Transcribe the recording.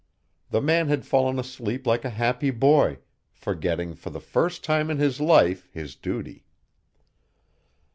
The man had fallen asleep like a happy boy, forgetting, for the first time in his life, his duty.